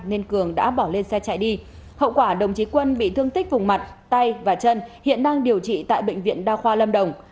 nên cường đã bỏ lên xe chạy đi hậu quả đồng chí quân bị thương tích vùng mặt tay và chân hiện đang điều trị tại bệnh viện đa khoa lâm đồng